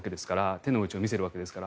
手の内を見せるわけですから。